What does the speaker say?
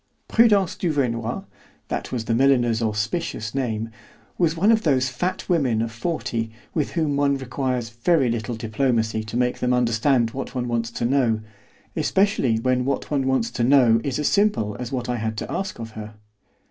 Prudence Duvernoy (that was the milliner's auspicious name) was one of those fat women of forty with whom one requires very little diplomacy to make them understand what one wants to know, especially when what one wants to know is as simple as what I had to ask of her.